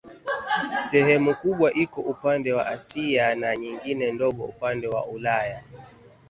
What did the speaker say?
Sehemu kubwa iko upande wa Asia na nyingine ndogo upande wa Ulaya.